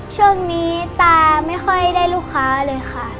ช่วงนี้ตาไม่ค่อยได้ลูกค้าเลยค่ะ